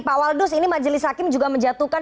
pak waldus ini majelis hakim juga menjatuhkan